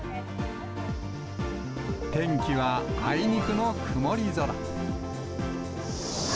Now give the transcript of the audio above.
天気はあいにくの曇り空。